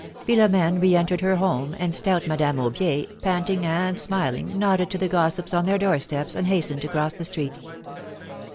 Philomene re entered her home, and stout Madame Aubier, panting and smiling, nodded to the gossips on their door steps and hastened to cross the street.